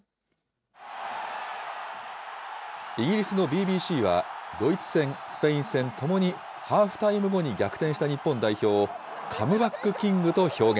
イギリスのＢＢＣは、ドイツ戦、スペイン戦ともにハーフタイム後に逆転した日本代表を、カムバックキングと表現。